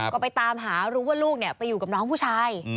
ก็ไปตามหารู้ว่าลูกไปอยู่กับน้องผู้ชาย